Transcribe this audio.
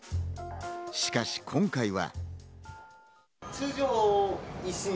しかし今回は。